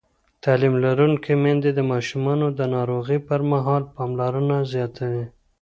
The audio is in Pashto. تعلیم لرونکې میندې د ماشومانو د ناروغۍ پر مهال پاملرنه زیاتوي.